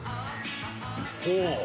ほう。